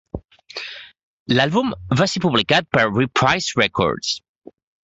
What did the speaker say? L'àlbum va ser publicat per Reprise Records.